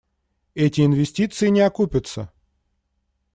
Эти инвестиции не окупятся.